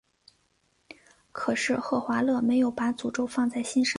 可是赫华勒没有把诅咒放在心上。